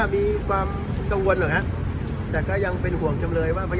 มีความกังวลของไหม